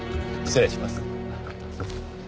失礼します。